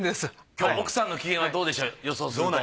今日奥さんの機嫌はどうでしょう予想すると。